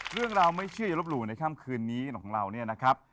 เรื่องราวไม่เชื่ออย่าลบหลู่ในค่ำคืนนี้ของเราเนี่ยนะครับ